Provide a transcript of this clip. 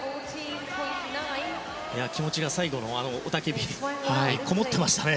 気持ちが最後の雄たけびにこもっていましたね。